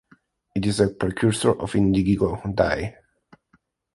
It is a precursor of indigo dye.